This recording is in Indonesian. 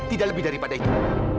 tidak lebih daripada itu